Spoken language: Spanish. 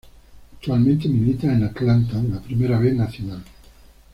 Actualmente milita en Atlanta de la Primera B Nacional.